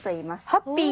ハッピー。